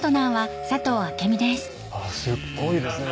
あっすっごいですね